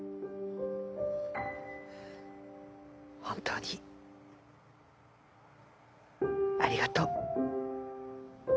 本当にありがとう。